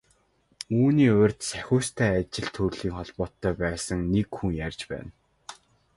Үүний урьд Сахиустай ажил төрлийн холбоотой байсан нэг хүн ярьж байна.